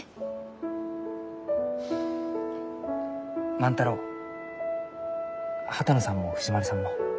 万太郎波多野さんも藤丸さんも。